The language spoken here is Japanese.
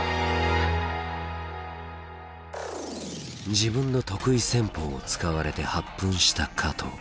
自分の得意戦法を使われて発奮した加藤。